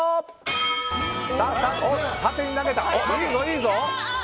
いいぞ！